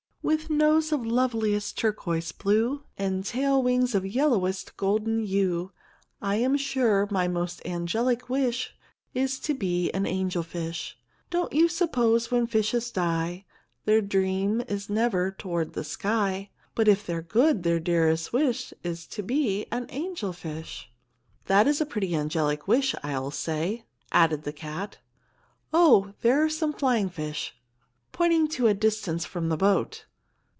"With nose of loveliest turquoise blue, And tail wings of yellowest golden hue I'm sure my most angelic wish Is to be an angel fish. "Don't you suppose when fishes die Their dream is never toward the sky; But if they're good, their dearest wish Is to be an angel fish?" [Illustration: "JUST SOME FLYING FISH," ANSWERED THE CAT] "That is a pretty angelic wish, I'll say," added the cat. "Oh, there are some of the flying fish," pointing to a distance from the boat.